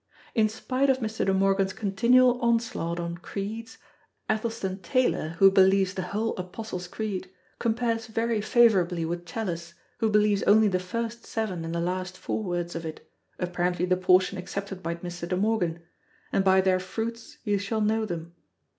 In spite of Mr. De Morgan's continual onslaught on creeds, Athelstan Taylor, who believes the whole Apostles' Creed, compares very favourably with Challis, who believes only the first seven and the last four words of it, apparently the portion accepted by Mr. De Morgan: and by their fruits ye shall know them.